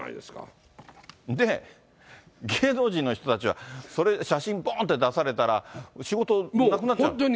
で、芸能人の人たちはそれ、写真、ぼーんと出されたら、仕事なくなっちゃう。